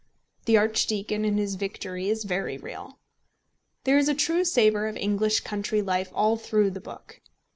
The archdeacon in his victory is very real. There is a true savour of English country life all through the book.